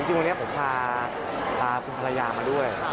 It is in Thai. จริงวันนี้ผมพาคุณภรรยามาด้วย